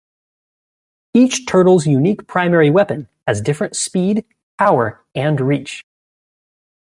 Each turtle's unique primary weapon has different speed, power and reach.